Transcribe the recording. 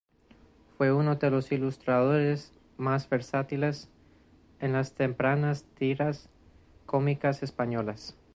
Fue uno de los ilustradores más versátiles en las tempranas tiras cómicas españolas.